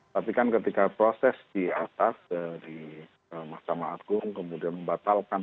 tapi kan ketika proses di atas di masyarakat kemudian batalkan